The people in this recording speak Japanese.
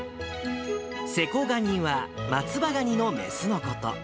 セコガニは松葉ガニの雌のこと。